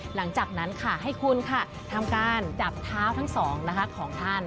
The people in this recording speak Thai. หลังจากนั้นค่ะให้คุณค่ะทำการจับเท้าทั้งสองนะคะของท่าน